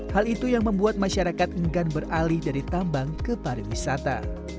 hal itu yang membuat masyarakat enggan beralih dari tambang ke pariwisata